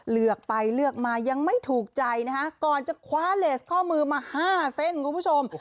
เลือกไปเลือกมายังไม่ถูกใจนะคะก่อนจะคว้าเลสข้อมือมา๕เส้นคุณผู้ชม